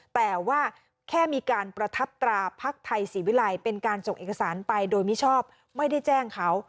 แต่ว่าแค่มีการประทับตราพักไทยศรีวิลัยเป็นการส่งเอกสารไปโดยมิชอบไม่ได้แจ้งเขา